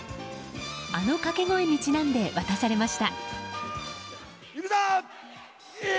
あの掛け声にちなんで渡されました。